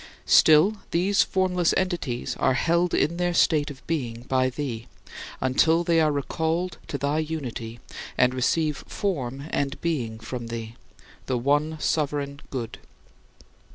Still, these formless entities are held in their state of being by thee, until they are recalled to thy unity and receive form and being from thee, the one sovereign Good.